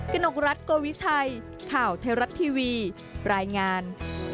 กนกรัฐโกวิชัยข่าวไทยรัฐทีวีรายงาน